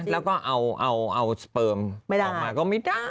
แล้วก็เอาสเปิมออกมาก็ไม่ได้